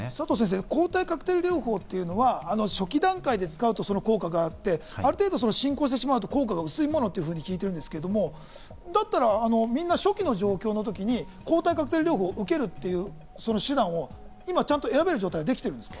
抗体カクテル療法というのは初期段階で使うとその効果があって、ある程度進行してしまうと効果が薄いものと聞いているんですけど、だったらみんな初期の状況の時に抗体カクテル療法を受けるという手段を今ちゃんと選べる状態はできてるんですか？